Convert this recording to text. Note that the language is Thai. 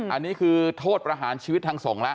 อันนี้คือโทษประหารชีวิตทางส่งแล้ว